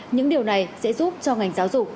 những điều này sẽ giúp cho ngành giáo dục